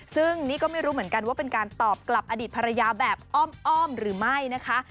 ซึ่งนี่ก็ไม่รู้เหมือนกันว่าเป็นการตอบกลับอดีตภรรยาแบบอ้อมหรือไม่นะคะ